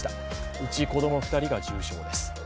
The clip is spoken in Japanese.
うち子供２人が重傷です。